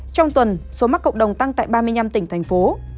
trong tuần số mắc cộng đồng tăng tại ba mươi năm tỉnh thành phố